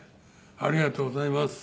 ありがとうございます。